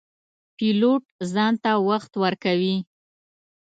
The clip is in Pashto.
پیلوټ ځان ته وخت ورکوي.